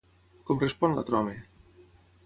Com respon l'altre home?